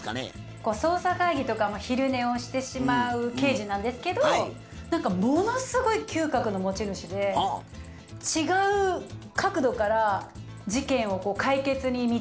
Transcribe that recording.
捜査会議とかも昼寝をしてしまう刑事なんですけど何かものすごい嗅覚の持ち主で違う角度から事件を解決に導く私の相棒刑事。